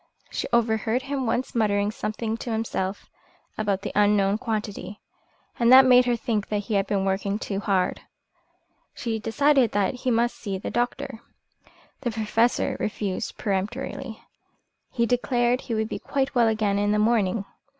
She overheard him once muttering something to himself about "the unknown quantity," and that made her think that he had been working too hard. She decided he must see the doctor. The Professor refused peremptorily. He declared he would be quite well again in the morning.